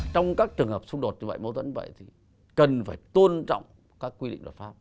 trong các trường hợp xung đột như vậy mâu thuẫn vậy thì cần phải tôn trọng các quy định luật pháp